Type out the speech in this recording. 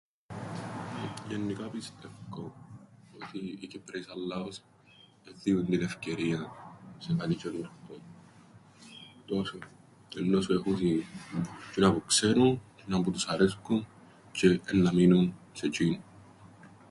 Γεννικά πιστεύκω οι Κυπραίοι σαν λαός εν διούν την ευκαιρίαν σε κάτι τζ̆αινούρκον. Εννοώ σου έχουσιν τζ̆είνα που ξέρουν, τζ̆είνα που τους αρέσκουν, τζ̆αι εννά μείνουν σε τζ̆είνα.